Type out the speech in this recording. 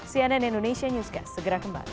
cnn indonesia newscast segera kembali